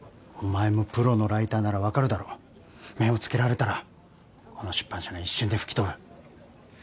お前もプロのライターならわかるだろ目をつけられたらこの出版社が一瞬で吹き飛ぶ。